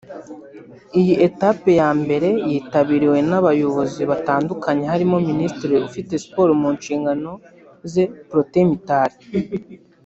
Iyi etape ya mbere yitabiriwe n’abayobozi batandukanye harimo Minisitiri ufite siporo mu nshingano ze Protais Mitali